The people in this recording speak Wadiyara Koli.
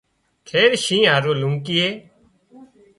خير شينهن هارو لونڪيئي